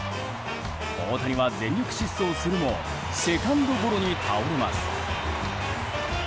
大谷は全力疾走するもセカンドゴロに倒れます。